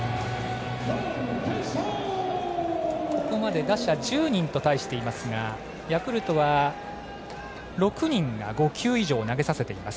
ここまで打者１０人と対していますがヤクルトは６人が５球以上投げさせています。